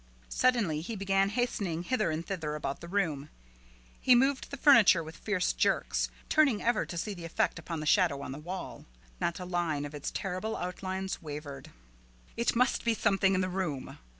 Suddenly he began hastening hither and thither about the room. He moved the furniture with fierce jerks, turning ever to see the effect upon the shadow on the wall. Not a line of its terrible outlines wavered. "It must be something in the room!"